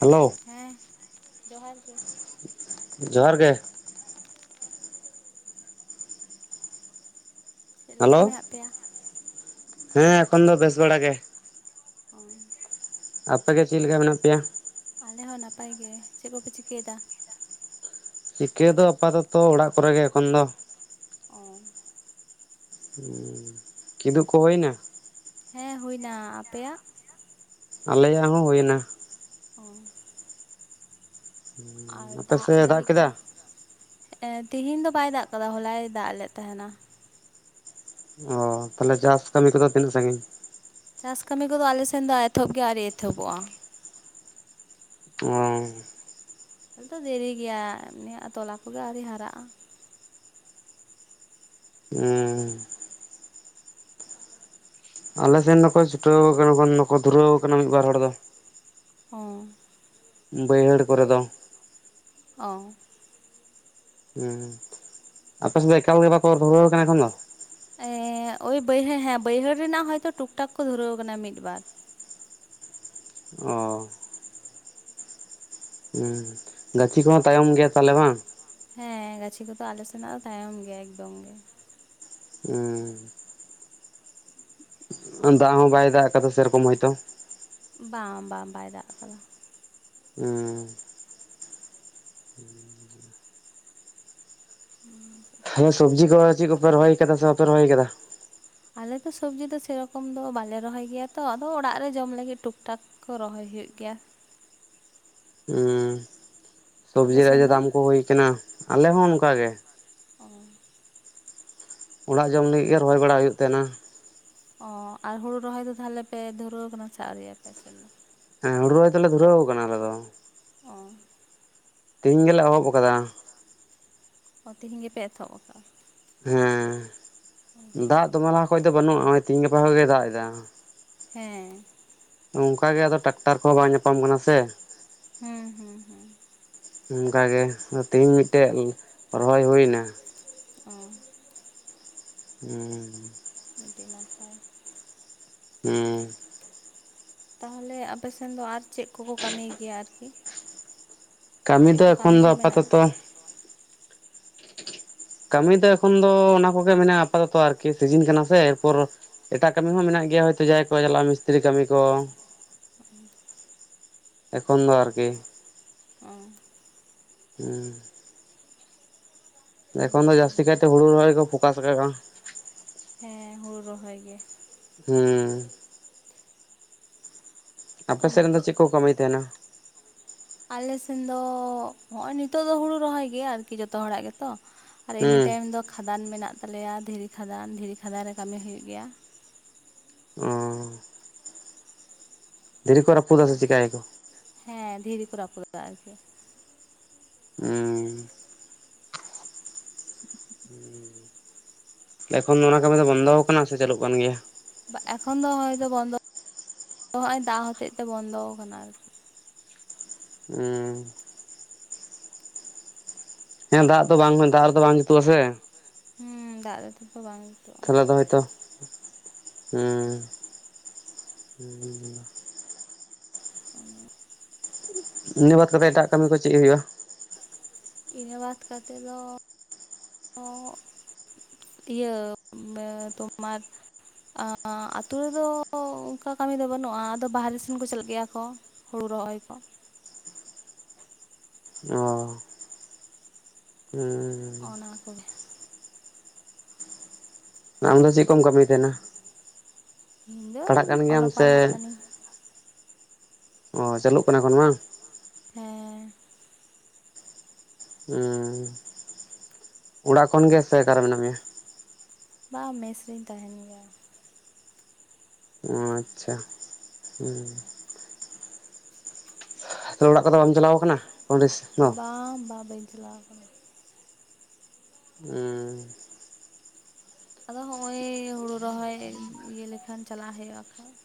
Hello ᱦᱮᱸ ᱡᱚᱦᱟᱨ ᱜᱮ ᱡᱚᱦᱟᱨ ᱜᱮ ᱪᱮᱫ ᱞᱮᱠᱟ ᱦᱮᱞᱳ ᱢᱮᱱᱟᱜ ᱯᱮᱭᱟ ᱦᱮᱸ ᱮᱠᱷᱚᱱ ᱫᱚ ᱵᱮᱥ ᱵᱟᱲᱟ ᱜᱮ ᱳᱻᱻᱻᱻ ᱟᱯᱮ ᱜᱮ ᱪᱮᱫ ᱞᱮᱠᱟ ᱢᱮᱱᱟᱜ ᱯᱮᱭᱟ ᱟᱞᱮ ᱦᱚᱸ ᱱᱟᱯᱟᱭ ᱜᱮ ᱪᱮᱫ ᱠᱚᱯᱮ ᱪᱤᱠᱟᱹᱭ ᱫᱟ ᱪᱤᱠᱟᱹ ᱫᱚ ᱟᱯᱟᱛᱚᱛᱚ ᱚᱲᱟᱜ ᱠᱚᱨᱮ ᱜᱮ ᱮᱠᱷᱚᱱ ᱫᱚ ᱚᱸ ᱦᱸ ᱠᱤᱫᱩᱵ ᱠᱚ ᱦᱳᱭ ᱱᱟ ᱦᱮᱸ ᱦᱩᱭᱱᱟ ᱟᱯᱮᱭᱟᱜ ᱟᱞᱮᱭᱟᱜ ᱦᱚᱸ ᱦᱩᱭ ᱱᱟ ᱚᱸ ᱟᱨ ᱫᱟᱜ ᱟᱯᱮᱥᱮᱫ ᱡᱟᱹᱲᱤ ᱠᱚ ᱠᱮᱫᱟ ᱛᱤᱦᱤᱧ ᱫᱚ ᱵᱟᱭ ᱫᱟᱜ ᱠᱟᱫᱟ ᱦᱚᱞᱟᱭ ᱫᱟᱜ ᱞᱮᱫ ᱛᱟᱦᱮᱸᱱᱟ ᱚ ᱛᱟᱦᱚᱞᱮ ᱪᱟᱥ ᱠᱟᱹᱢᱤ ᱠᱚᱫᱚ ᱛᱤᱱᱟᱹᱜ ᱥᱟᱺᱜᱤᱧ ᱪᱟᱥ ᱠᱟᱹᱢᱤ ᱠᱚᱫᱚ ᱟᱞ ᱥᱮᱱ ᱫᱚ ᱮᱛᱚᱦᱚᱵ ᱜᱮ ᱟᱹᱣᱨᱤ ᱮᱛᱚᱦᱚᱵᱚᱜᱼᱟ ᱦ [unintelligible] ᱫᱚ [unintelligible] ᱫᱮᱨᱤ ᱜᱮᱭᱟ ᱛᱚᱞᱟ ᱠᱚᱜᱮ ᱟᱨᱣᱨᱤ ᱦᱟᱨᱟᱜᱼᱟ ᱦᱩᱸ ᱟᱞᱮᱥᱮᱱ ᱫᱚᱠᱚ ᱪᱷᱩᱴᱟᱹᱣ ᱠᱟᱱᱟ ᱠᱚ ᱫᱷᱩᱨᱟᱹᱣ ᱠᱟᱱᱟ ᱢᱤᱫᱵᱟᱨ ᱦᱚᱲ ᱫᱚ ᱦᱸ ᱵᱟᱹᱭᱦᱟᱹᱲ ᱠᱚᱨᱮ ᱫᱚ ᱚᱻᱻ ᱦᱸ ᱟᱯᱮ ᱥᱮᱫᱷ ᱫᱚ ᱮᱠᱟᱞ ᱜᱮ ᱵᱟᱠᱚ ᱫᱷᱩᱨᱟᱹᱣ ᱠᱟᱱᱟ ᱮᱠᱷᱚᱱ ᱫᱚ ᱮᱻᱻ ᱳᱭ ᱵᱟᱹᱭᱦᱟᱹᱲ ᱦᱮᱸ ᱦᱮᱸ ᱵᱟᱹᱭᱦᱟᱹᱲ ᱨᱮᱱᱟᱜ ᱦᱚᱭᱛᱳ ᱴᱩᱠ ᱴᱟᱠ ᱠᱚ ᱫᱷᱩᱨᱟᱹᱣ ᱠᱟᱱᱟ ᱢᱤᱫᱵᱟᱨ ᱚ ᱦᱸ ᱜᱟᱪᱷᱤ ᱠᱚᱦᱚᱸ ᱛᱟᱭᱚᱢ ᱜᱮᱭᱟ ᱛᱟᱦᱚᱞᱮ ᱵᱟᱝ ᱦᱮᱸ ᱜᱟᱪᱷᱤ ᱠᱚᱫᱚ ᱟᱞᱮ ᱥᱮᱱᱟᱜ ᱫᱚ ᱛᱟᱭᱚᱢ ᱜᱮᱭᱟ ᱮᱠᱫᱚᱢ ᱜᱮ ᱩᱸ ᱫᱟᱜ ᱦᱚᱸ ᱵᱟᱭ ᱫᱟᱜ ᱟᱠᱟᱫᱟ ᱥᱮᱨᱚᱠᱚᱢ ᱦᱚᱳ ᱛᱚ ᱵᱟᱝ ᱵᱟᱝ ᱵᱟᱭ ᱫᱟᱜ ᱟᱠᱟᱫᱟ ᱩᱸ ᱦᱸ ᱦᱩᱸ ᱦᱮᱸ ᱥᱚᱵᱽᱡᱤ ᱠᱚᱦᱚ ᱪᱮᱜ ᱠᱚᱯᱮ ᱨᱚᱦᱚᱭ ᱠᱟᱫᱟ ᱥᱮ ᱵᱟᱯᱮ ᱨᱚᱦᱚᱭ ᱠᱟᱫᱟ ᱟᱞᱮᱫᱚ ᱥᱚᱵᱡᱤ ᱫᱚ ᱥᱮᱨᱚᱠᱚᱢ ᱫᱚ ᱵᱟᱞᱮ ᱨᱚᱦᱚᱭ ᱜᱮᱭᱟ ᱛᱚ ᱟᱫᱚ ᱚᱲᱟᱜ ᱨᱮ ᱡᱚᱢ ᱞᱟᱹᱜᱤᱫ ᱴᱩᱠ ᱴᱟᱠ ᱠᱚ ᱨᱚᱦᱚᱭ ᱦᱩᱭᱩᱜ ᱜᱮᱭᱟ ᱦᱩᱸ ᱟᱯᱮ ᱥᱚᱵᱡᱤ ᱨᱮᱭᱟᱜ ᱥᱮᱱ ᱡᱮ ᱫᱚ ᱫᱟᱢ ᱠᱚ ᱦᱳᱭ ᱠᱟᱱᱟ ᱟᱞᱮ ᱦᱚᱸ ᱚᱱᱠᱟ ᱜᱮ ᱚ ᱚᱲᱟᱜ ᱡᱚᱢ ᱞᱟᱹᱜᱤᱜ ᱜᱮ ᱨᱚᱦᱚᱭ ᱵᱟᱲᱟ ᱦᱩᱭᱩᱜ ᱛᱟᱦᱮᱱᱟ ᱚ ᱟᱨ ᱦᱳᱲᱳ ᱨᱚᱦᱚᱭ ᱫᱚ ᱛᱟᱦᱚᱞᱮ ᱯᱮ ᱫᱷᱩᱨᱟᱹᱣ ᱠᱟᱱᱟ ᱥᱮ ᱟᱹᱣᱨᱤ ᱟᱯᱮ ᱥᱮᱜ ᱫᱚ ᱦᱮᱸ ᱦᱩᱲᱩ ᱨᱚᱦᱚᱭ ᱫᱚᱞᱮ ᱫᱷᱩᱨᱟᱹᱣ ᱠᱟᱱᱟ ᱟᱞᱮ ᱫᱚ ᱚ ᱛᱮᱦᱤᱧ ᱜᱮᱞᱮ ᱮᱦᱚᱵ ᱠᱟᱫᱟ ᱚ ᱛᱮᱦᱮᱧ ᱜᱮᱯᱮ ᱮᱛᱚᱦᱚᱵ ᱠᱟᱜᱼᱟ ᱦᱮᱸ ᱫᱟᱜ ᱫᱚᱢᱮ ᱞᱟᱦᱟ ᱠᱷᱚᱡ ᱫᱚ ᱵᱟᱹᱱᱩᱜᱼᱟ ᱦᱚᱜᱼᱚᱭ ᱛᱤᱦᱤᱧ ᱜᱟᱯᱟ ᱠᱷᱚᱡᱜᱮ ᱫᱟᱜ ᱮᱫᱟ ᱦᱮᱸ ᱚᱝᱠᱟ ᱜᱮ ᱟᱫᱚ ᱴᱟᱠᱴᱟᱨ ᱠᱚᱦᱚᱸ ᱵᱟᱝ ᱧᱟᱯᱟᱢ ᱠᱟᱱᱟ ᱥᱮ ᱦᱩᱸ ᱦᱩᱸ ᱦᱩᱸ ᱚᱱᱠᱟᱜᱮ ᱛᱮᱹᱦᱮᱧ ᱢᱤᱜᱴᱮᱜ ᱨᱚᱦᱚᱭ ᱦᱳᱭᱱᱟ ᱚ ᱦᱩᱸ ᱟᱹᱰᱤ ᱱᱟᱯᱟᱭ ᱦᱩᱸ ᱛᱟᱦᱚᱞᱮ ᱟᱯᱮᱥᱮᱱ ᱫᱚ ᱟᱨ ᱪᱮᱜ ᱠᱚᱠᱚ ᱠᱟᱹᱢᱤᱭ ᱜᱮᱭᱟ ᱟᱨᱠᱤ? ᱠᱟᱹᱢᱤ ᱪᱮᱫ ᱫᱚ ᱠᱚ ᱮᱠᱷᱚᱱ ᱠᱟᱹᱢᱤ ᱫᱚ ᱠᱚ ᱢᱮᱱᱟᱜᱼᱟ ᱟᱯᱟᱛᱚᱛᱚ ᱠᱟᱹᱢᱤ ᱫᱚ ᱮᱠᱷᱚᱱ ᱫᱚ ᱚᱱᱟ ᱠᱚᱜᱮ ᱢᱮᱱᱟᱜᱼᱟ ᱟᱯᱟᱛᱚᱛᱚ ᱟᱨᱠᱤ ᱥᱤᱡᱤᱱ ᱠᱟᱱᱟ ᱥᱮ ᱮᱨᱯᱚᱨ ᱮᱴᱟᱜ ᱠᱟᱹᱢᱤ ᱦᱚᱸ ᱢᱮᱱᱟᱜ ᱜᱮᱭᱟ ᱦᱳᱭᱛᱳ ᱡᱟᱦᱟᱭ ᱠᱚ ᱪᱟᱞᱟᱜᱼᱟ ᱢᱤᱥᱛᱨᱤ ᱠᱟᱹᱢᱤ ᱠᱚ ᱾ ᱟᱨ ᱮᱠᱷᱚᱱ ᱫᱚ ᱟᱨᱠᱤ ᱾ ᱚ ᱦᱩᱸ ᱚᱱᱟ ᱮᱠᱷᱚᱱ ᱫᱚ ᱠᱚᱫᱚ ᱡᱟᱹᱥᱛᱤ ᱠᱟᱭᱛᱮ ᱦᱩᱲᱩ ᱨᱚᱦᱚᱭ ᱜᱮ ᱠᱚ ᱯᱷᱚᱠᱟᱥ ᱠᱟᱜᱼᱟ ᱾ ᱦᱮᱸ ᱦᱳᱲᱳ ᱨᱚᱦᱚᱭ ᱜᱮ ᱾ ᱦᱩᱸ ᱟᱯᱮ ᱟᱨ ᱥᱮᱫ ᱨᱮᱱ ᱫᱚ ᱱᱤᱛᱚᱜ ᱪᱮᱜ ᱠᱚ ᱠᱟᱹᱢᱤᱭ ᱛᱟᱦᱮᱱᱟ? ᱟᱞᱮ ᱥᱮᱱ ᱫᱚ ᱦᱚᱜᱼᱚᱭ ᱱᱤᱛᱚᱜ ᱫᱚ ᱦᱩᱲᱩ ᱨᱚᱦᱚᱭ ᱜᱮ ᱟᱨᱠᱤ ᱡᱚᱛᱚ ᱦᱚᱲᱟᱜ ᱜᱮᱛᱚ ᱾ ᱟᱨ ᱮᱢᱱᱤ ᱦᱩᱸ ᱴᱟᱭᱤᱢ ᱫᱚ ᱠᱷᱟᱫᱟᱱ ᱢᱮᱱᱟᱜ ᱛᱟᱞᱮᱭᱟ ᱫᱷᱤᱨᱤ ᱠᱷᱟᱫᱟᱱ ᱫᱷᱤᱨᱤ ᱠᱷᱟᱫᱟᱱ ᱨᱮ ᱠᱟᱹᱢᱤ ᱦᱩᱭᱩᱜ ᱜᱮᱭᱟ ᱾ ᱚ ᱫᱷᱤᱨᱤ ᱠᱚ ᱨᱟᱹᱯᱩᱫᱟ ᱥᱮ ᱪᱤᱠᱟᱭᱟ ᱠᱚ? ᱦᱮᱸ ᱫᱷᱤᱨᱤ ᱠᱚ ᱨᱟᱹᱯᱩᱫᱟ ᱟᱨᱠᱤ ᱾ ᱩᱸ ᱮᱠᱷᱚᱱ ᱚᱱᱟ ᱠᱟᱹᱢᱤ ᱫᱚ ᱵᱚᱱᱫᱚᱣ ᱠᱟᱱᱟ ᱥᱮ ᱪᱟᱹᱞᱩᱜ ᱠᱟᱱ ᱜᱮᱭᱟ? ᱮᱠᱷᱚᱱ ᱫᱚ ᱦᱚᱭ ᱛᱚ ᱵᱚᱱᱫᱚ ᱦᱚᱸᱜᱼᱚᱭ ᱫᱟᱜ ᱦᱚᱛᱮᱜ ᱛᱮ ᱵᱚᱱᱫᱚᱣ ᱠᱟᱱᱟ ᱟᱨᱠᱤ ᱾ ᱩᱸ ᱦᱮᱸ ᱫᱟᱜ ᱫᱚ ᱵᱟᱝ ᱫᱟᱜ ᱨᱮᱫᱚ ᱵᱟᱝ ᱡᱩᱛᱩᱜᱼᱟ ᱥᱮ ᱾ ᱦᱩᱸ ᱫᱟᱜ ᱨᱮᱛᱚ ᱛᱚ ᱵᱟᱝ ᱡᱩᱛᱩᱜᱼᱟ ᱾ ᱛᱟᱦᱚᱞᱮ ᱫᱚ ᱦᱚᱭᱛᱚ ᱩᱸ ᱟᱨ ᱤᱱᱟᱹ ᱵᱟᱫ ᱠᱟᱛᱮᱜ ᱮᱴᱟᱜ ᱠᱟᱹᱢᱤ ᱠᱚ ᱪᱮᱜ ᱦᱩᱭᱩᱜᱼᱟ? ᱤᱱᱟᱹ ᱵᱟᱛ ᱠᱟᱛᱮᱜ ᱫᱚ ᱤᱭᱟᱹ ᱛᱳᱢᱟᱨ ᱟ ᱟᱹᱳ ᱨᱮᱫᱚ ᱚᱝᱠᱟ ᱠᱟᱹᱢᱤ ᱫᱚ ᱵᱟᱹᱱᱩᱜᱼᱟ ᱟᱫᱚ ᱵᱟᱦᱮᱨᱮ ᱥᱮᱱ ᱠᱚ ᱪᱟᱞᱟᱜ ᱜᱮᱭᱟ ᱠᱚ ᱾ ᱦᱩᱲᱩ ᱨᱚᱦᱚᱭ ᱠᱚ ᱾ ᱚ ᱦᱩᱸ ᱚᱱᱟ ᱠᱚᱜᱮ ᱾ ᱟᱢ ᱫᱚ ᱪᱮᱫ ᱠᱚᱢ ᱠᱟᱹᱢᱤ ᱛᱟᱦᱮᱸᱱᱟ? ᱤᱧ ᱫᱚᱧ ᱜᱮᱭᱟᱢ ᱚᱞᱚᱜ ᱥᱮ ᱯᱟᱲᱦᱟᱜ ᱠᱟᱹᱱᱟᱹᱧ ᱾ ᱚ ᱪᱟᱹᱞᱩᱜ ᱠᱟᱱᱟ ᱮᱠᱷᱚᱱ ᱵᱟᱝ? ᱦᱮᱸ ᱦᱩᱸ ᱚᱲᱟᱜ ᱠᱷᱚᱱ ᱜᱮ ᱥᱮ ᱟᱠᱟᱨᱮ ᱢᱮᱱᱟᱜ ᱢᱮᱭᱟ? ᱵᱟᱝ ᱢᱮᱥ ᱨᱮᱧ ᱛᱟᱦᱮᱱ ᱜᱮᱭᱟ ᱾ ᱚ ᱟᱪᱪᱷᱟ ᱦᱩᱸ ᱛᱚ ᱚᱲᱟᱜ ᱠᱚᱫᱚ ᱵᱟᱢ ᱪᱟᱞᱟᱣ ᱠᱟᱱᱟ? ᱵᱟᱝ ᱵᱟᱝ ᱵᱟᱹᱧ ᱪᱟᱞᱟᱣ ᱠᱟᱱᱟ ᱾ ᱩᱸ ᱟᱫᱚ ᱦᱚᱸᱜᱼᱚᱭ ᱦᱳᱲᱳ ᱨᱚᱦᱚᱭ ᱤᱭᱟᱹ ᱞᱮᱠᱷᱟᱱ ᱪᱟᱞᱟᱜ ᱦᱩᱭᱩᱜᱼᱟ ᱦᱟᱜᱼᱠᱷᱟᱡ ᱾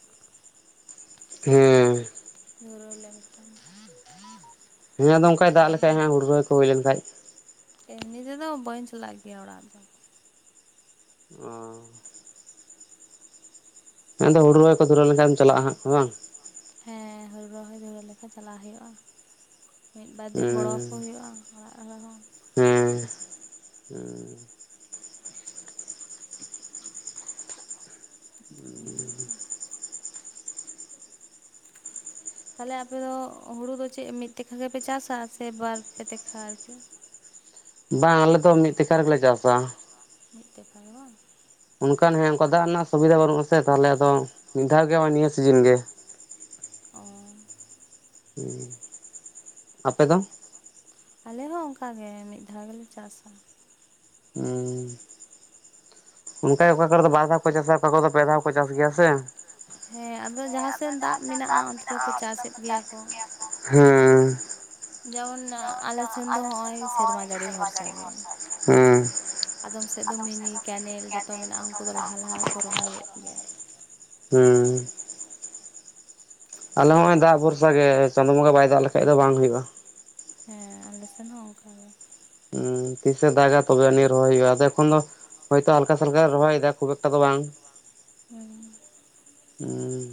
ᱦᱩᱸ ᱫᱷᱩᱹᱨᱚ ᱞᱮᱱ ᱠᱷᱟᱱ ᱦᱮᱸ ᱟᱫᱚ ᱚᱱᱠᱟᱭ ᱫᱟᱜ ᱞᱮᱠᱷᱟᱡ ᱦᱩᱲᱩᱟᱹ ᱠᱚ ᱦᱩᱭ ᱞᱮᱱᱷᱟᱡ ᱮᱢᱱᱤ ᱛᱮ ᱫᱚ ᱵᱟᱹᱧ ᱪᱟᱞᱟᱜ ᱜᱮᱭᱟ ᱚᱲᱟᱜ ᱫᱚ ᱚ ᱢᱮᱱᱫᱚ ᱦᱩᱲᱩᱚᱭ ᱠᱚ ᱫᱷᱩᱨᱟᱹ ᱞᱮᱱᱠᱷᱟᱱ ᱮᱢ ᱪᱟᱞᱟᱜᱼᱟ ᱦᱟᱸᱜ ᱵᱟᱝ ᱦᱮᱸ ᱦᱩᱲᱩ ᱨᱚᱦᱚᱭ ᱫᱷᱩᱲᱟᱹ ᱞᱮᱠᱟ ᱪᱟᱞᱟᱜᱣ ᱦᱩᱭᱩᱜᱼᱟ ᱢᱤᱫ ᱵᱟᱨ ᱫᱤᱱ ᱜᱚᱲᱚ ᱟᱠᱚ ᱦᱩᱭᱩᱜᱼᱟ ᱚᱲᱟᱜ ᱨᱮᱦᱚᱸ ᱦᱮᱸ [unintelligible] [inaudible] ᱛᱟᱦᱚᱞᱮ ᱟᱯᱮ ᱫᱚ ᱦᱩᱲᱩ ᱫᱚ ᱪᱮᱫ ᱢᱤᱫ ᱛᱮᱠᱷᱟ ᱜᱮᱯᱮ ᱪᱟᱥᱟ ᱥᱮ ᱵᱟᱨ ᱯᱮ ᱫᱮᱠᱷᱟ ᱟᱨᱠᱤ ᱵᱟᱝ ᱟᱞᱮ ᱫᱚ ᱢᱤᱫ ᱛᱮᱠᱷᱟ ᱨᱮᱜᱮ ᱞᱮ ᱪᱟᱥᱟᱼᱟ ᱢᱤᱫ ᱛᱮᱠᱷᱟ ᱨᱮ ᱵᱟᱝ ᱚᱱᱠᱟᱱ ᱦᱮᱸ ᱚᱱᱠᱟ ᱫᱟᱜ ᱨᱮᱱᱟᱜ ᱥᱩᱵᱤᱫᱷᱟ ᱵᱟᱹᱱᱩᱜ ᱟᱥᱮ ᱛᱟᱦᱚᱞᱮ ᱟᱫᱚ ᱢᱤᱫ ᱫᱷᱟᱣ ᱜᱮ ᱱᱚᱜᱚᱭ ᱱᱤᱭᱟᱹ ᱥᱤᱡᱤᱱ ᱜᱮ ᱚ [unintelligible] ᱟᱯᱮ ᱫᱚ ᱟᱞᱮ ᱦᱚᱸ ᱚᱱᱠᱟᱟᱜᱮ ᱢᱤᱫ ᱫᱷᱟᱣ ᱜᱮᱞᱮ ᱪᱟᱥᱟ ᱦᱩᱸ ᱚᱱᱠᱟ ᱜᱮ ᱚᱠᱟ ᱠᱚᱨᱮ ᱫᱚ ᱵᱟᱨ ᱫᱷᱟᱣ ᱠᱚ ᱪᱟᱥᱟ ᱚᱠᱟ ᱠᱚᱨᱮ ᱫᱚ ᱯᱮ ᱫᱷᱟᱣ ᱠᱚ ᱪᱟᱥ ᱜᱮᱭᱟ ᱥᱮ ᱦᱮᱸ ᱟᱫᱚ ᱡᱟᱦᱟᱸᱥᱮᱫ ᱫᱟᱜ ᱢᱮᱱᱟᱜᱼᱟ ᱸ ᱚᱱᱛᱮ ᱫᱚᱠᱚ ᱪᱟᱥᱮᱫ ᱜᱮᱭᱟ ᱠᱚ ᱦᱩᱸ ᱡᱮᱢᱚᱱ ᱟᱞᱮᱥᱱ ᱫᱚ ᱦᱚᱜᱼᱚᱭ ᱥᱮᱨᱢᱟ ᱡᱟᱹᱲᱤ ᱵᱷᱚᱨᱥᱟᱮ ᱜᱮ ᱦᱩᱸ ᱟᱫᱚᱢ ᱥᱮᱫ ᱫᱚ ᱢᱤᱱᱤ ᱠᱮᱱᱮᱞ ᱡᱚᱛᱚ ᱢᱮᱱᱟᱜᱼᱟ ᱩᱱᱠᱩ ᱫᱚ ᱞᱟᱦᱟ ᱞᱟᱦᱟ ᱠᱚ ᱨᱚᱦᱚᱭᱮᱫ ᱜᱮᱭᱟ ᱦᱩᱸ ᱟᱞᱮ ᱦᱚᱸᱜ ᱚᱭ ᱫᱟᱜ ᱵᱷᱚᱨᱥᱟ ᱜᱮ ᱪᱟᱸᱫᱳ ᱵᱚᱸᱜᱟ ᱵᱟᱭ ᱫᱟᱜ ᱞᱮᱠᱷᱟᱡ ᱫᱚ ᱵᱟᱝ ᱦᱩᱭᱩᱜᱼᱟ ᱦᱮᱸ ᱟᱞᱮᱥᱱ ᱦᱚᱸ ᱚᱱᱠᱟᱜ ᱜᱮ ᱦᱩᱸ ᱛᱤᱥᱮ ᱫᱟᱜᱟ ᱛᱚᱵᱮᱱᱤ ᱨᱦᱚᱭ ᱦᱩᱭᱩᱜᱼᱟ ᱩᱱ ᱫᱚ ᱦᱳᱭᱛᱳ ᱦᱟᱞᱠᱟ ᱥᱟᱞᱠᱟ ᱨᱚᱦᱚᱭ ᱫᱟᱠᱚ ᱮᱠᱴᱟ ᱫᱚ ᱵᱟᱝ᱾ [inaudible] ᱦᱩᱸ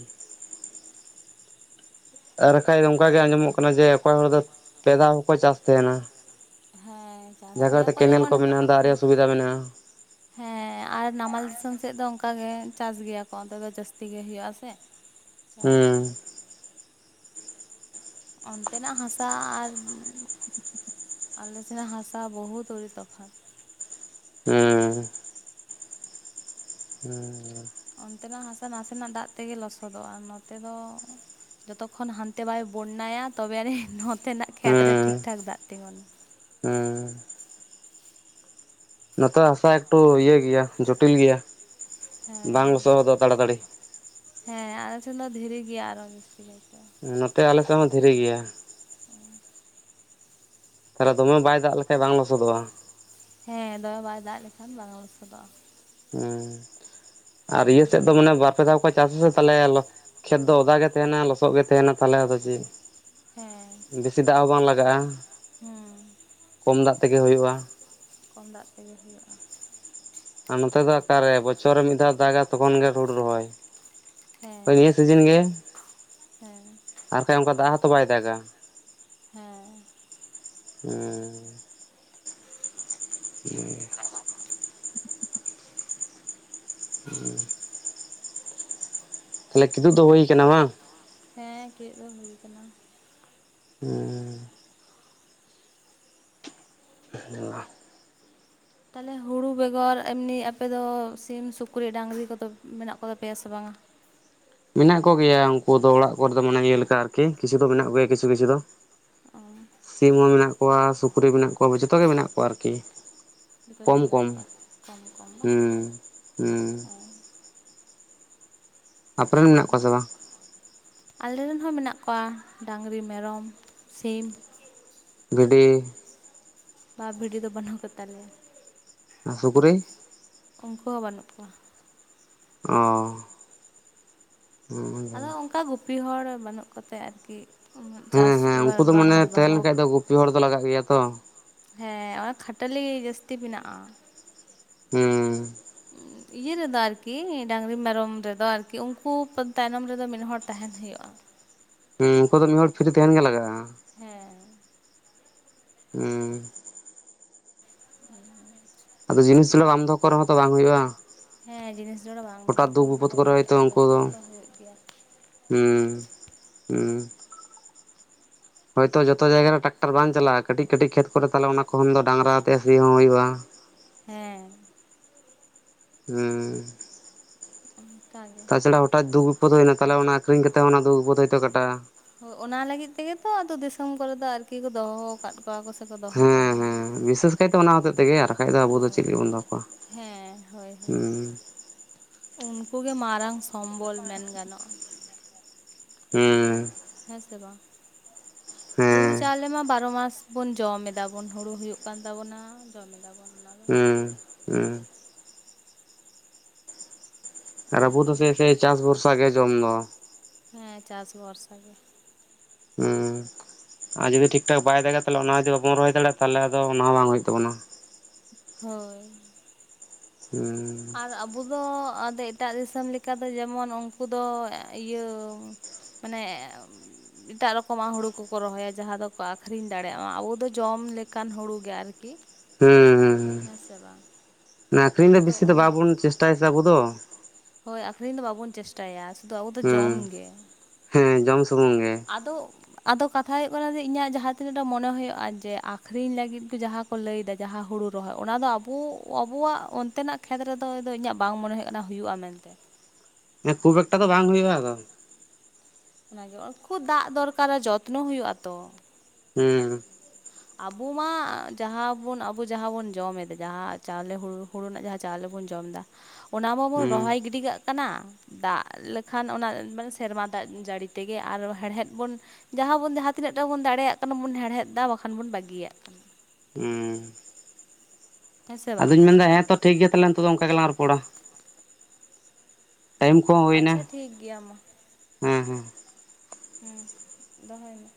ᱟᱨ ᱵᱟᱠᱷᱟᱡ ᱱᱚᱝᱠᱟᱜ ᱜᱮ ᱟᱸᱡᱚᱢᱚᱜ ᱠᱟᱱᱟ ᱡᱮ ᱚᱠᱚᱭ ᱦᱚᱲ ᱫᱚ ᱯᱮ ᱫᱷᱟᱣ ᱦᱚᱸᱠᱚ ᱪᱟᱥ ᱛᱟᱦᱮᱱᱟ ᱦᱮᱸ ᱪᱟᱥ ᱡᱟᱦᱟᱸ ᱠᱚᱨᱮ ᱜᱮᱭᱟ ᱫᱚ ᱠᱚ ᱠᱮᱱᱮᱞ ᱡᱮᱢᱚᱱ ᱢᱮᱱᱟᱜᱼᱟ ᱫᱟᱜ ᱨᱮᱭᱟᱜ ᱥᱩᱵᱤᱫᱷᱟ ᱢᱮᱱᱟᱜᱼᱟ ᱦᱮᱸ ᱟᱨ ᱱᱟᱢᱟᱞ ᱫᱤᱥᱚᱢ ᱥᱮᱫ ᱫᱚ ᱚᱱᱠᱟ ᱜᱮ ᱪᱟᱥ ᱜᱮᱭᱟ ᱠᱚ ᱚᱱᱛᱮ ᱫᱚ ᱡᱟᱹᱥᱛᱤ ᱜᱮ ᱦᱩᱭᱩᱜᱼᱟ ᱥᱮ ᱪᱟᱥ ᱦᱩᱸ ᱚᱱᱛᱮᱱᱟᱜ ᱦᱟᱥᱟ ᱟᱨ ᱟᱞᱮ ᱥᱮᱱ ᱦᱟᱥᱟ ᱵᱚᱦᱩᱛ ᱩᱲᱤ ᱛᱚᱯᱷᱟᱛ ᱦᱮᱸ ᱦᱩᱸᱻ ᱚᱱᱛᱮᱱᱟᱜ ᱦᱟᱥᱟ ᱱᱟᱥᱮᱱᱟᱜ ᱫᱟᱜ ᱛᱮᱜᱮ ᱞᱚᱥᱚᱫᱚᱜᱼᱟ ᱱᱚᱛᱮ ᱫᱚ ᱡᱚᱛᱚ ᱠᱷᱚᱱ ᱦᱟᱱᱛᱮ ᱵᱟᱭ ᱵᱚᱱᱟᱭᱟ ᱛᱚᱵᱮ ᱟᱹᱱᱤᱡ ᱱᱚᱛᱮᱱᱟᱜ ᱠᱷᱮᱛᱨᱮ ᱦᱩᱸ ᱴᱷᱤᱠ ᱴᱷᱟᱠ ᱫᱟᱜ ᱛᱤᱸᱜᱩᱱᱟ ᱦᱩᱸ ᱱᱚᱛᱮ ᱦᱟᱥᱟ ᱮᱠᱴᱩ ᱤᱭᱟᱹ ᱜᱮᱭᱟ ᱡᱚᱴᱤᱞ ᱜᱮᱭᱟ ᱵᱟᱝ ᱦᱮᱸ ᱥᱚᱦᱚᱫ ᱫᱚ ᱛᱟᱲᱟᱛᱟᱲᱤ ᱦᱮᱸ ᱟᱞᱮ ᱥᱮᱱ ᱫᱚ ᱫᱷᱤᱨᱤ ᱜᱮᱭᱟ ᱟᱨᱚ ᱡᱟᱥᱛᱤ ᱠᱟᱭᱛᱮ ᱱᱚᱛᱮ ᱟᱞᱮᱥᱮᱫ ᱦᱚᱸ ᱫᱷᱤᱨᱤ ᱜᱮᱭᱟ ᱛᱟᱦᱚᱞᱮ ᱫᱚᱢᱮ ᱵᱟᱭ ᱫᱟᱜ ᱞᱮᱠᱷᱟᱱ ᱵᱟᱝ ᱞᱚᱥᱚᱫᱚᱜᱼᱟ ᱦᱮᱸ ᱫᱚᱢᱮ ᱵᱟᱭ ᱫᱟᱜ ᱞᱮᱠᱷᱟᱱ ᱵᱟᱝ ᱞᱚᱥᱚᱫᱚᱜᱼᱟ ᱦᱮᱸ ᱟᱨ ᱤᱭᱟᱹ ᱥᱮᱫ ᱫᱚ ᱮᱱᱠᱷᱟᱱ ᱢᱟᱱᱮ ᱵᱟᱨ ᱯᱮ ᱫᱷᱟᱣ ᱠᱚ ᱠᱚ ᱪᱟᱥ ᱥᱟ ᱥᱮ ᱛᱟᱦᱚᱞᱮ ᱠᱷᱮᱛ ᱫᱚ ᱚᱫᱟᱜ ᱜᱮ ᱛᱟᱦᱮᱱᱟ ᱞᱚᱥᱚᱜ ᱜᱮ ᱛᱟᱦᱮᱱᱟ ᱛᱟᱦᱚᱞᱮ ᱟᱫᱚ ᱪᱮᱫ ᱦᱮᱸ ᱵᱮᱥᱤ ᱫᱟᱜ ᱦᱚᱸ ᱵᱟᱝ ᱞᱟᱜᱟᱜᱼᱟ ᱦᱩᱸ ᱠᱚᱢ ᱫᱟᱜ ᱛᱮᱜᱮ ᱦᱩᱭᱩᱜᱼᱟ ᱠᱚᱢ ᱫᱟᱜ ᱛᱮᱜᱮ ᱦᱩᱭᱩᱜᱼᱟ ᱟᱨ ᱱᱚᱛᱮ ᱫᱚ ᱚᱠᱟᱨᱮ ᱵᱚᱪᱷᱚᱨ ᱨᱮ ᱢᱤᱫ ᱫᱷᱟᱣ ᱫᱟᱜᱟ ᱛᱚᱠᱷᱚᱱ ᱜᱮ ᱦᱩᱲᱩ ᱨᱚᱦᱚᱭ ᱦᱮᱸ ᱦᱳᱭ ᱱᱤᱭᱟᱹ ᱥᱤᱡᱤᱱ ᱜᱮ ᱦᱮᱸ ᱟᱨ ᱠᱷᱟᱡ ᱚᱱᱠᱟ ᱫᱟᱜ ᱦᱚᱸᱛᱚ ᱵᱟᱭ ᱫᱟᱜᱟ ᱦᱮᱸ ᱦᱩᱸ [inaudible] ᱦᱮᱸ ᱦᱩᱸ ᱛᱟᱦᱚᱞᱮ ᱠᱤᱫᱩᱵ ᱫᱚ ᱦᱩᱭ ᱟᱠᱟᱱᱟ ᱵᱟᱝ ᱦᱮᱸ [unintelligible] ᱫᱚ ᱦᱩᱭ ᱟᱠᱟᱱᱟ ᱦᱩᱸ [inaudible] ᱛᱟᱦᱚᱞᱮ ᱦᱩᱲᱩ ᱵᱮᱜᱚᱨ ᱮᱢᱱᱤ ᱟᱯᱮ ᱫᱚ ᱥᱤᱢ ᱥᱩᱠᱨᱤ ᱰᱟᱝᱨᱤ ᱠᱚᱫᱚ ᱢᱮᱱᱟᱜ ᱠᱚᱛᱟ ᱯᱮᱭᱟ ᱥᱮ ᱵᱟᱝᱟ ᱢᱮᱱᱟᱜ ᱠᱚᱜᱮᱭᱟ ᱩᱱᱠᱩ ᱫᱚ ᱚᱲᱟᱜ ᱠᱚᱨᱮ ᱫᱚ ᱢᱟᱱᱮ ᱤᱭᱟᱹ ᱞᱮᱠᱟ ᱟᱨᱠᱤ ᱠᱤᱪᱷᱩ ᱫᱚ ᱢᱮᱱᱟᱜ ᱠᱚᱭᱟ ᱠᱤᱪᱷᱩ ᱠᱤᱪᱷᱩ ᱫᱚ ᱚ ᱥᱤᱢ ᱦᱚᱸ ᱢᱮᱱᱟᱜ ᱠᱚᱣᱟ ᱥᱩᱠᱨᱤ ᱢᱮᱱᱟᱜ ᱠᱚᱣᱟ ᱡᱚᱛᱚ ᱜᱮ ᱢᱮᱱᱟᱜ ᱠᱚᱣᱟ ᱟᱨᱠᱤ ᱡᱚᱛᱷᱚ ᱜᱮ ᱠᱚᱢ ᱢᱮᱱᱟᱜ ᱠᱚᱢ ᱠᱚᱣᱟ ᱠᱚᱢ ᱠᱚᱢ ᱵᱟ ᱦᱩᱸ ᱦᱩᱸ ᱟᱯᱮ ᱨᱮᱱ ᱢᱮᱱᱟᱜ ᱠᱚᱣᱟ ᱥᱮ ᱵᱟᱝ ᱟᱞᱮ ᱨᱮᱱ ᱦᱚᱸ ᱢᱮᱱᱟᱜ ᱠᱚᱣᱟ ᱰᱟᱝᱨᱤ ᱢᱮᱨᱚᱢ ᱥᱤᱢ ᱵᱷᱤᱰᱤ ᱵᱟ ᱵᱷᱤᱰᱤ ᱫᱚ ᱵᱟᱹᱱᱩᱜ ᱠᱚ ᱛᱟᱞᱮᱭᱟ ᱥᱩᱠᱨᱤ ᱩᱱᱠᱩ ᱦᱚᱸ ᱵᱟᱹᱱᱩᱜ ᱠᱚᱣᱟ ᱚ ᱟᱫᱚ ᱚᱱᱠᱟ ᱜᱩᱯᱤ ᱦᱚᱲ ᱵᱟᱹᱱᱩᱜ ᱠᱚᱛᱮ ᱟᱨᱠᱤ ᱩᱱᱟᱹᱜ ᱦᱮᱸ ᱪᱟᱥ ᱦᱮᱸ ᱮᱵᱟᱨ ᱩᱱᱠᱩ ᱫᱚ ᱢᱟᱱᱮ ᱵᱟᱝᱞᱮ ᱛᱟᱦᱮᱸ ᱫᱚᱦᱚ ᱞᱮᱱ ᱠᱷᱟᱡ ᱠᱟᱜ ᱫᱚ ᱜᱩᱯᱤ ᱦᱚᱲ ᱫᱚ ᱠᱚᱣᱟ ᱞᱟᱜᱟᱜ ᱜᱮᱭᱟ ᱛᱚ ᱦᱮᱸ ᱚᱱᱟ ᱠᱷᱟᱴᱟᱹᱞᱤ ᱡᱟᱹᱥᱛᱤ ᱢᱮᱱᱟᱜᱼᱟ ᱦᱩᱸ [inaudible] ᱤᱭᱟᱹ ᱨᱮᱫᱚ ᱟᱨᱠᱤ ᱰᱟᱝᱨᱤ ᱢᱮᱨᱚᱢ ᱨᱮᱫᱚ ᱟᱨᱠᱤ ᱩᱱᱠᱩ ᱛᱟᱭᱱᱚᱢ ᱨᱮᱫᱚ ᱢᱤᱫ ᱦᱚᱲ ᱛᱟᱦᱮᱱ ᱦᱩᱭᱩᱜᱼᱟ ᱦᱮᱸ ᱩᱱᱠᱩ ᱫᱚ ᱢᱤᱫ ᱦᱚᱲ ᱯᱷᱤᱨᱤ ᱛᱟᱦᱮᱱ ᱜᱮ ᱞᱟᱜᱟᱜᱼᱟ ᱦᱮᱸ ᱦᱩᱸ ᱛᱟᱞᱟᱨᱮ ᱟᱫᱚ ᱡᱤᱱᱤᱥ [unintelligible] ᱫᱚᱦᱚ ᱠᱚ ᱨᱮᱦᱚᱸ ᱛᱚ ᱵᱟᱝ ᱦᱩᱭᱩᱜᱼᱟ ᱾ ᱦᱮᱸ ᱡᱤᱱᱤᱥ ᱡᱚᱲᱟ ᱵᱟᱝ ᱫᱚᱦᱚ ᱠᱚ ᱨᱮᱦᱚᱸ ᱵᱤᱯᱚᱫ ᱠᱚᱨᱮ ᱵᱟᱝ ᱦᱚᱭᱛᱳ ᱦᱩᱭᱩᱜᱼᱟ ᱩᱱᱠᱩ ᱫᱚᱦᱚ ᱫᱚ ᱠᱚ ᱛᱚ ᱦᱩᱭᱩᱜ ᱜᱮᱭᱟ ᱾ ᱦᱩᱸ ᱦᱩᱸ ᱦᱳᱭᱛᱚ ᱡᱚᱛᱚ ᱡᱟᱭᱜᱟ ᱨᱮ ᱴᱨᱟᱠᱴᱟᱨ ᱵᱟᱝ ᱪᱟᱞᱟᱜᱼᱟ᱾ ᱠᱟᱹᱴᱤᱡ ᱠᱟᱹᱴᱤᱡ ᱠᱷᱮᱛ ᱠᱚᱨᱮ ᱛᱟᱦᱞᱮ ᱚᱱᱟ ᱠᱷᱚᱱ ᱫᱚ ᱰᱟᱝᱨᱟ ᱟᱛᱮᱫ ᱥᱤ ᱦᱚᱸ ᱦᱩᱭᱩᱜᱼᱟ᱾ ᱦᱮᱸ ᱦᱩᱸ ᱚᱱᱠᱟ ᱜᱮ ᱛᱟ ᱪᱷᱟᱲᱟ ᱦᱚᱴᱟᱛ ᱫᱩᱠᱷ ᱵᱤᱯᱚᱫᱽ ᱦᱩᱭᱮᱱᱟ ᱛᱟᱦᱚᱞ ᱚᱱᱟ ᱟᱠᱷᱨᱤᱧ ᱠᱟᱛᱮ ᱦᱚᱸ ᱚᱱᱟ ᱫᱩᱠᱷ ᱵᱤᱯᱚᱫᱽ ᱦᱳᱭᱛᱚ ᱠᱟᱴᱟᱼᱟ᱾ ᱦᱳ ᱚᱱᱟ ᱞᱟᱹᱜᱤᱫ ᱛᱮᱜᱮ ᱛᱚ ᱟᱫᱳ ᱫᱤᱥᱚᱢ ᱠᱚᱨᱮ ᱫᱚ ᱟᱨᱠᱤ ᱠᱚ ᱫᱚᱦᱚ ᱟᱠᱟᱫ ᱠᱚᱣᱟ ᱠᱚ ᱥᱮ ᱠᱚ ᱫᱚᱦᱚ ᱠᱚᱜᱮᱭᱟ᱾ ᱦᱳᱭ ᱛᱚ ᱚᱱᱟ ᱦᱚᱛᱮᱫ ᱛᱮᱜᱮ ᱟᱨ ᱵᱟᱠᱷᱟᱡ ᱫᱚ ᱟᱵᱚ ᱫᱚ ᱪᱮᱫ ᱦᱳᱭ ᱞᱟᱹᱜᱤᱫ ᱵᱚᱱ ᱫᱚᱦᱚ ᱠᱚᱣᱟ ᱦᱮᱸ ᱦᱳᱭ ᱾ ᱦᱳᱭ ᱦᱩᱸ ᱩᱱᱠᱩ ᱜᱮ ᱢᱟᱨᱟᱝ ᱥᱚᱢᱵᱚᱞ ᱢᱮᱱ ᱜᱟᱱᱚᱜᱼᱟ ᱾ ᱦᱩᱸ ᱦᱮᱸ ᱥᱮ ᱵᱟᱝ ᱾ ᱦᱩᱲᱩ ᱦᱮᱸ ᱪᱟᱣᱞᱮ ᱢᱟ ᱵᱟᱨᱚ ᱢᱟᱥᱼᱼ ᱵᱚᱱ ᱡᱚᱢ ᱮᱫᱟ ᱵᱚᱱ ᱦᱩᱲᱩ ᱦᱩᱭᱩᱜ ᱠᱟᱱ ᱛᱟᱵᱚᱱᱟ ᱡᱚᱢ ᱮᱫᱟ ᱵᱚᱱ ᱚᱱᱟᱼᱼ ᱦᱩᱸ ᱦᱩᱸ ᱟᱨ ᱚᱱᱮ ᱟᱵᱚ ᱫᱚ ᱚᱱᱟ ᱥᱮᱭ ᱥᱮ ᱪᱟᱥ ᱵᱷᱚᱨᱥᱟ ᱜᱮ ᱡᱚᱢ ᱫᱚ ᱾ ᱦᱮᱸ ᱪᱟᱥ ᱵᱷᱚᱨᱥᱟ ᱜᱮ᱾ ᱦᱩᱸ ᱟᱨ ᱡᱩᱫᱤ ᱴᱷᱤᱠ ᱴᱷᱟᱠ ᱵᱟᱭ ᱫᱟᱜᱟ ᱛᱟᱦᱞᱮ ᱚᱱᱟ ᱡᱩᱫᱤ ᱵᱟᱵᱚᱱ ᱨᱚᱦᱚᱭ ᱫᱟᱲᱮᱭᱟᱜᱼᱟ ᱛᱟᱦᱞᱮ ᱟᱫᱚ ᱚᱱᱟ ᱦᱚᱸ ᱵᱟᱝ ᱦᱩᱭᱩᱜ ᱛᱟᱵᱚᱱᱟ᱾ ᱦᱳᱭ ᱦᱩᱸ ᱟᱨ ᱟᱵᱚ ᱫᱚ ᱟᱫᱚ ᱮᱴᱟᱜ ᱫᱤᱥᱚᱢ ᱞᱮᱠᱟ ᱫᱚ ᱡᱮᱢᱚᱱ ᱩᱝᱠᱩ ᱫᱚ ᱤᱭᱟᱹᱼᱼ ᱢᱟᱱᱮᱼᱼ ᱮᱴᱟᱜ ᱨᱚᱠᱚᱢᱟᱜ ᱦᱩᱲᱩ ᱠᱚᱠᱚ ᱨᱚᱦᱚᱭᱟ ᱡᱟᱦᱟᱸ ᱫᱚᱠᱚ ᱟᱠᱷᱨᱤᱧ ᱫᱟᱲᱮᱭᱟᱜ ᱢᱟ᱾ ᱟᱵᱚ ᱫᱚ ᱡᱚᱢ ᱞᱮᱠᱟᱱ ᱦᱩᱲᱩ ᱜᱮ ᱟᱨᱠᱤ᱾ ᱦᱩᱸ ᱦᱩᱸ ᱦᱮᱸ ᱥᱮ ᱵᱟᱝ ᱟᱠᱷᱨᱤᱧ ᱫᱚ ᱟᱫᱚ ᱵᱤᱥᱤ ᱫᱚ ᱚᱱᱟ ᱵᱟᱵᱚᱱ ᱪᱮᱥᱴᱟᱭᱟ ᱥᱮ ᱟᱵᱚ ᱫᱚ᱾ ᱦᱳᱭ ᱟᱠᱷᱨᱤᱧ ᱫᱚ ᱵᱟᱵᱚᱱ ᱪᱮᱥᱴᱟᱭᱟ᱾ ᱥᱩᱫᱩ ᱟᱵᱚ ᱫᱚ ᱡᱚᱢ ᱦᱩᱸ ᱜᱮ᱾ ᱦᱮᱸ ᱡᱚᱢ ᱥᱩᱢᱩᱝ ᱜᱮ ᱟᱫᱚᱼᱼ ᱟᱫᱚ ᱠᱟᱛᱷᱟ ᱦᱩᱭᱩᱜ ᱠᱟᱱᱟ ᱡᱮ ᱤᱧᱟᱹᱜ ᱡᱟᱦᱟᱸ ᱛᱤᱱᱟᱹᱜ ᱴᱟ ᱢᱚᱱᱮ ᱦᱳᱭᱳᱜᱼᱟ ᱡᱮ ᱟᱠᱷᱨᱤᱧ ᱞᱟᱹᱜᱤᱫ ᱫᱚ ᱡᱟᱦᱟᱸᱼᱼ ᱠᱚ ᱞᱟᱹᱭ ᱮᱫᱟ ᱡᱟᱦᱟᱸ ᱦᱩᱲᱩ ᱨᱚᱦᱚᱭ ᱚᱱᱟ ᱫᱚ ᱟᱵᱳ ᱟᱵᱳᱣᱟᱜ ᱚᱱᱛᱮᱱᱟᱜ ᱠᱷᱮᱛ ᱨᱮᱫᱚ ᱤᱧᱟᱹᱜ ᱵᱟᱝ ᱢᱚᱱᱮ ᱦᱩᱭᱩᱜ ᱠᱟᱱᱟ ᱦᱩᱭᱩᱜᱼᱟ ᱢᱮᱱᱛᱮ᱾ ᱢᱮᱱᱛᱮ ᱢᱟᱱᱮ ᱠᱷᱩᱵ ᱮᱠᱴᱟ ᱫᱚ ᱵᱟᱝ ᱦᱩᱭᱩᱜᱼᱟ ᱟᱫᱚᱼᱼ ᱚᱱᱟᱜᱮ ᱚ ᱠᱷᱩᱵ ᱫᱟᱜ ᱫᱚᱨᱠᱟᱨᱟ ᱡᱚᱛᱱᱚ ᱦᱩᱭᱩᱜᱼᱟ ᱛᱚ᱾ ᱦᱩᱸ ᱟᱵᱚ ᱢᱟ ᱡᱟᱦᱟᱸ ᱵᱚᱱ ᱟᱵᱚ ᱡᱟᱦᱟᱸ ᱵᱚᱱ ᱡᱚᱢᱮᱫ ᱡᱟᱦᱟᱸ ᱪᱟᱣᱞᱮ ᱦᱩᱲᱩᱼᱼ ᱦᱩᱲᱩ ᱨᱮᱱᱟᱜ ᱡᱟᱦᱟᱸ ᱪᱟᱣᱞᱮ ᱵᱚᱱ ᱡᱚᱢᱮᱫᱟ ᱚᱱᱟ ᱢᱟ ᱵᱚᱱ ᱦᱩᱸ ᱨᱚᱦᱚᱭ ᱜᱤᱰᱤ ᱠᱟᱜᱼᱼ ᱠᱟᱱᱟ, ᱫᱟᱜ ᱞᱮᱠᱷᱟᱱ ᱚᱱᱟ ᱢᱟᱱᱮ ᱥᱮᱨᱢᱟ ᱫᱟᱜ ᱡᱟᱹᱲᱤ ᱛᱮᱜᱮ ᱟᱨ ᱦᱮᱲᱦᱮᱫ ᱵᱚᱱᱼᱼ ᱡᱟᱦᱟᱸ ᱵᱚᱱ ᱡᱟᱦᱟᱸ ᱛᱤᱱᱟᱹᱜ-ᱴᱟ ᱵᱚᱱ ᱫᱟᱲᱮᱭᱟᱜ ᱠᱟᱱᱟ ᱵᱚᱱ ᱦᱮᱲᱦᱮᱫ ᱫᱟ ᱵᱟᱠᱷᱟᱱ ᱵᱚᱱ ᱵᱟᱹᱜᱤᱭᱟᱜ ᱠᱟᱱᱟ᱾ ᱦᱩᱸ ᱦᱮᱸ ᱥᱮ ᱵᱟᱝ ᱟᱫᱚᱧ ᱢᱮᱱᱫᱟ ᱦᱮᱸ ᱛᱚ ᱴᱷᱤᱠ ᱜᱮᱭᱟ ᱛᱟᱦᱞᱮ ᱱᱤᱛᱚᱜ ᱫᱚ ᱚᱝᱠᱟ ᱜᱮᱞᱟᱝ ᱨᱚᱯᱚᱲᱟ᱾ ᱴᱟᱭᱤᱢ ᱠᱚᱦᱚᱸ ᱦᱩᱭᱱᱟ ᱟᱪᱪᱷᱟ ᱴᱷᱤᱠ ᱜᱮᱭᱟ ᱢᱟ, ᱦᱮᱸ ᱦᱮᱸ ᱦᱩᱸ ᱫᱚᱦᱚᱭ ᱢᱮ᱾